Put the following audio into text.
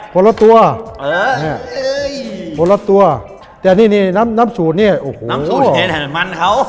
คนละตัวคนละตัวแต่นี่นี่น้ำสูดเนี่ยโอ้โหน้ำสูดเนี่ยมันเขา